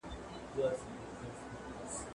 په قلم خط لیکل د ګرامر په زده کړه کي مرسته کوي.